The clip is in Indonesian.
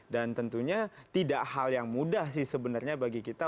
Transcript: dan tentunya tidak hal yang mudah sih sebenarnya bagi kita